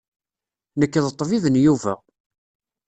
Nekk d ṭṭbib n Yuba.